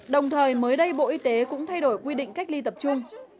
đồng thời mới đây bộ y tế cũng thay đổi quy định cách ly tập trung